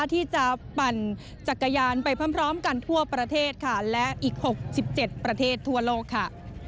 ที่จะปั่นจักรยานไปพร้อมกันทั่วประเทศค่ะและอีก๖๗ประเทศทั่วโลกค่ะ